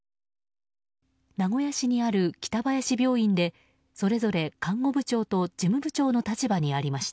名古屋市にある北林病院でそれぞれ看護部長と事務部長の立場にありました。